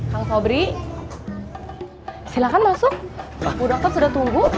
kang sobri silakan masuk bu dr sudah tunggu